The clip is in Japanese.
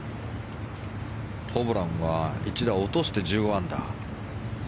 ホブランは１打落として１５アンダー。